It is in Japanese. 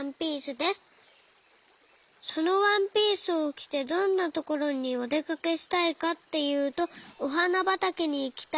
そのワンピースをきてどんなところにおでかけしたいかっていうとおはなばたけにいきたいです。